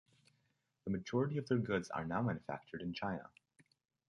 The majority of their goods are now manufactured in China.